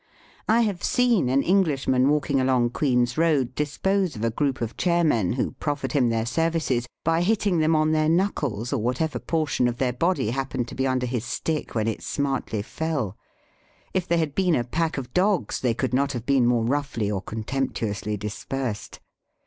I have seen an EngHshman walking along Queen's Eoad dispose of a group of chair men, who proflFered him their services, by hitting them on their knuckles or whatever portion of their body happened to be under his stick when it smartly fell. If they had been a pack of dogs they could not have been more roughly or contemptuously dispersed.